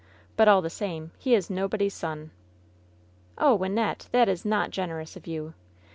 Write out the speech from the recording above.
But all the same, he is nobody's son !" "Oh, Wynnette! that is not generous of you!